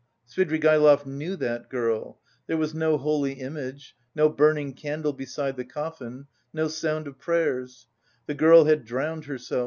Svidrigaïlov knew that girl; there was no holy image, no burning candle beside the coffin; no sound of prayers: the girl had drowned herself.